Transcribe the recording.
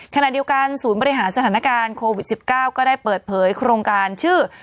ขณะเดียวกันศูนย์บริหารสถานการณ์โควิด๑๙ก็ได้เปิดเผยโครงการชื่อ